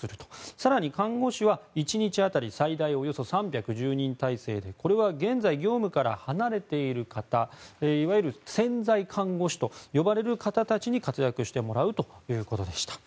更に看護師は１日当たり最大およそ３１０人態勢でこれは、現在業務から離れている方いわゆる潜在看護師と呼ばれる方たちに活躍してもらうということでした。